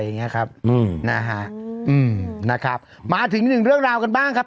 อืมนะฮะอืมนะครับมาถึงนึงเรื่องราวกันบ้างครับ